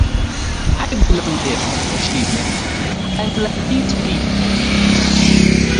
"I belong here," she murmured, "I'm like these people."